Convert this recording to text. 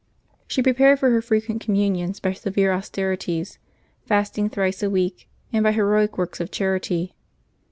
She prepared for her frequent com munions by severe austerities, fasting thrice a week, and by heroic works of charity.